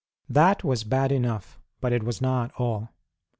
That was bad enough, but it was not all.